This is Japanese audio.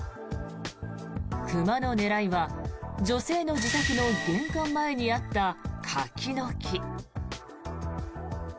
熊の狙いは女性の自宅の玄関前にあった柿の木。